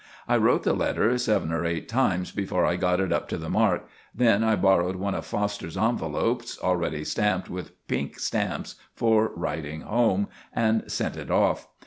I wrote the letter seven or eight times before I got it up to the mark, then I borrowed one of Foster's envelopes, already stamped with pink stamps for writing home, and sent it off.